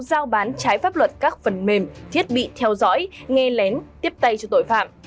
giáo bán trái pháp luật các phần mềm thiết bị theo dõi nghe nén tiếp tay cho tội phạm